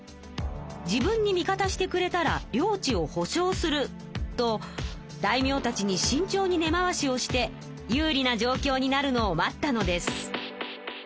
「自分に味方してくれたら領地を保証する」と大名たちにしんちょうに根回しをして有利な状きょうになるのを待ったのです。